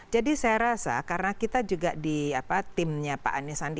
jadi saya rasa karena kita juga di timnya pak anies sandi